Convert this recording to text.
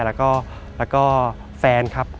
แล้วก็แฟนครับ